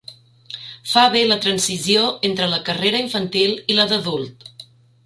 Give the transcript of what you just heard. Fa bé la transició entre la carrera infantil i la d'adult.